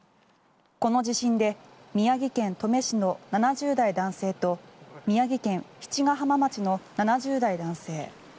この地震で宮城県登米市の７０代男性と宮城県七ヶ浜町の７０代男性